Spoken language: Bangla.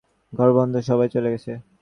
ঘর বন্ধ, সবাই চলে গেছে।